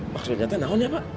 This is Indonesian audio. maksudnya ternyata apa